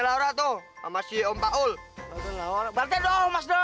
lepas tempat ini kita akan pulang